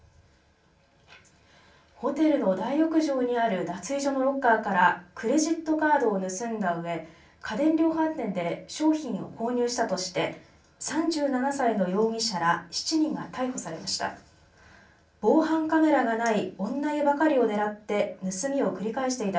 ホテルの大浴場にある脱衣所のロッカーからクレジットカードを盗んだうえ、家電量販店で商品を購入したとして３７歳の容疑者ら７人が逮捕されました。